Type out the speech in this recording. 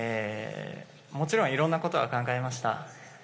もちろん、いろいろなことは考えました。